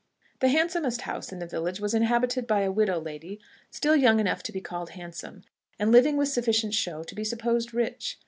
The handsomest house in the village was inhabited by a widow lady still young enough to be called handsome, and living with sufficient show to be supposed rich.